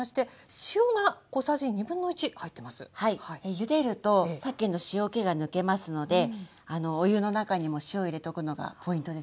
ゆでるとさけの塩けが抜けますのでお湯の中にも塩を入れとくのがポイントですね。